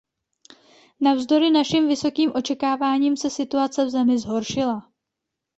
Navzdory našim vysokým očekáváním se situace v zemi zhoršila.